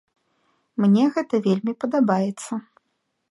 Мне гэта вельмі падабаецца.